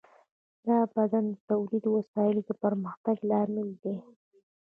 دا بدلون د تولیدي وسایلو د پرمختګ له امله دی.